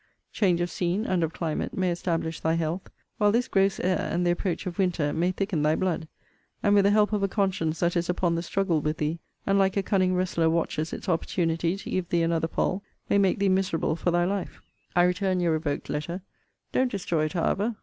Change of scene, and of climate, may establish thy health: while this gross air and the approach of winter, may thicken thy blood; and with the help of a conscience that is upon the struggle with thee, and like a cunning wrestler watches its opportunity to give thee another fall, may make thee miserable for thy life. I return your revoked letter. Don't destroy it, however.